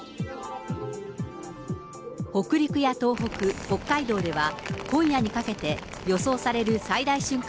北陸や東北、北海道では、今夜にかけて、予想される最大瞬間